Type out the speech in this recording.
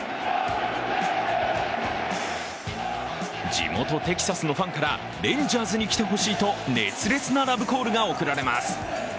地元テキサスのファンからレンジャーズに来てほしいと熱烈なラブコールが送られます。